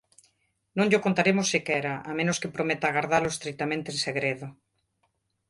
Non llo contaremos sequera, a menos que prometa gardalo estritamente en segredo.